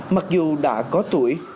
mặc dù đã có tuổi